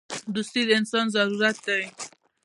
• دوستي د انسان ضرورت دی.